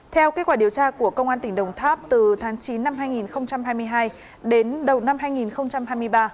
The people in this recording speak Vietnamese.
theo kết quả điều tra của công an tỉnh đồng tháp từ tháng chín năm hai nghìn hai mươi hai đến đầu năm hai nghìn hai mươi ba